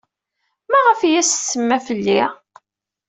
Maɣef ay as-tsemma fell-i?